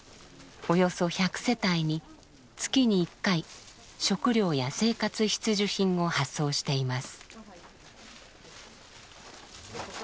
およそ１００世帯に月に１回食料や生活必需品を発送しています。